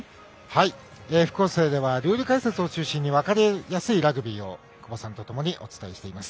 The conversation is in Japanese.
副音声ではルール解説を中心に分かりやすいラグビーを久保さんと共にお伝えしています。